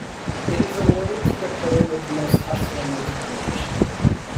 It is awarded to the player with most hustle and determination.